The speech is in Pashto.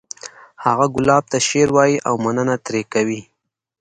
هغه ګلاب ته شعر وایی او مننه ترې کوي